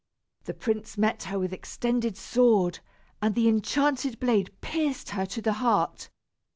The prince met her with extended sword, and the enchanted blade pierced her to the heart.